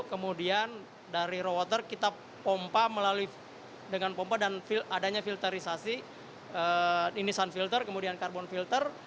kemudian dari raw water kita pompa melalui dengan pompa dan adanya filterisasi ini sun filter kemudian carbon filter